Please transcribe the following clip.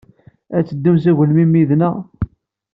Ad teddumt s agelmim yid-nneɣ?